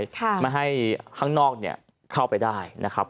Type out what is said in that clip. หัวท้ายมาให้ข้างนอกเข้าไปได้